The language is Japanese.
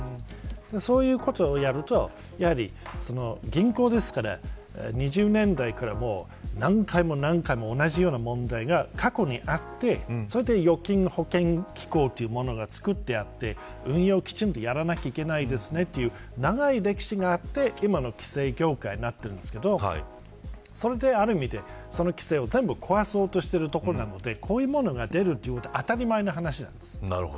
そういうことをやると、やはり銀行ですから２０年代からも、何回も何回も同じような問題が過去にあって預金保険機構というものが作ってあって運用をきちんとやらなきゃいけないですねという長い歴史があって今の規制業界になっているんですけどそれで、ある意味でその規制を全部壊そうとしているところなのでこういうものが出るのは当たり前の話です。